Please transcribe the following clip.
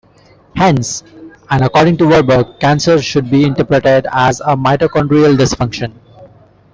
Hence, and according to Warburg, cancer should be interpreted as a mitochondrial dysfunction.